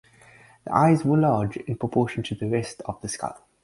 The eyes were large in proportion to the rest of the skull.